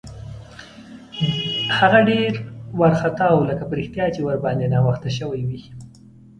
هغه ډېر وارخطا و، لکه په رښتیا چې ورباندې ناوخته شوی وي.